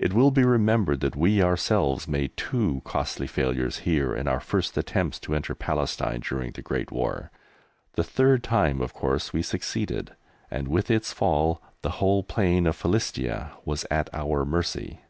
It will be remembered that we ourselves made two costly failures here in our first attempts to enter Palestine during the Great War. The third time of course we succeeded, and with its fall the whole plain of Philistia was at our mercy.